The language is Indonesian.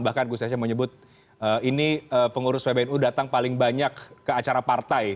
bahkan gus yahya mau nyebut ini pengurus pbnu datang paling banyak ke acara partai